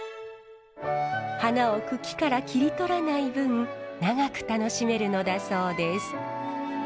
花を茎から切り取らない分長く楽しめるのだそうです。